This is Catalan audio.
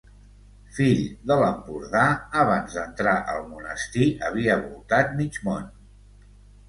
Fill de l'Empordà, abans d'entrar al monestir havia voltat mig món.